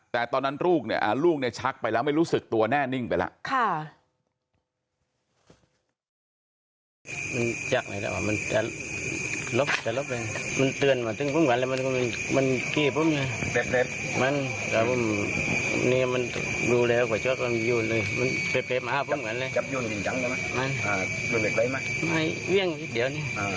แต่ตอนนั้นลูกชักไปแล้วไม่รู้สึกตัวแน่นิ่งไปแล้ว